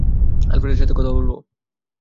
আলফ্রেডের সাথে কথা বলবো!